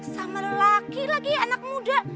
sama lelaki lagi ya anak muda